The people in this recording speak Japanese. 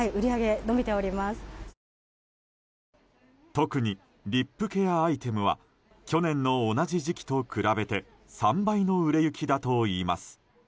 特に、リップケアアイテムは去年の同じ時期と比べて３倍の売れ行きだといいます。